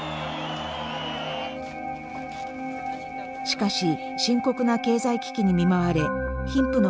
しかし深刻な経済危機に見舞われ貧富の格差が拡大。